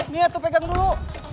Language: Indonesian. nih atuh pegang dulu